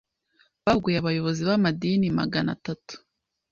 bahuguye abayobozi b’amadini Magana atatu